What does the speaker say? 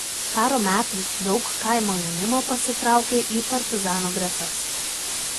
Karo metais daug kaimo jaunimo pasitraukė į partizanų gretas.